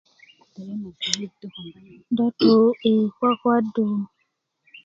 dó tú i kwakwadu